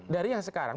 dari yang sekarang